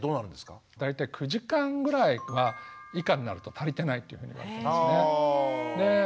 大体９時間ぐらいは以下になると足りてないというふうにいわれてますね。